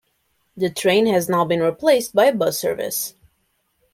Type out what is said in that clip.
The train has now been replaced by a bus service.